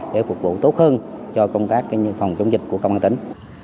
để phục vụ tốt hơn cho công tác phòng chống dịch của công an tỉnh